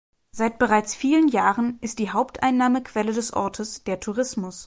Seit bereits vielen Jahren ist die Haupteinnahmequelle des Ortes der Tourismus.